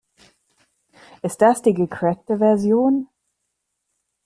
Ist das die gecrackte Version?